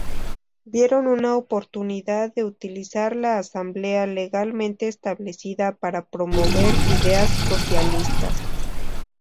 Vieron una oportunidad de utilizar la Asamblea legalmente establecida para promover ideas socialistas.